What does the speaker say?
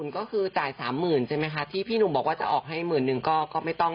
อ๋อก็คือจบด้วยดีไหมคะคุณตกลง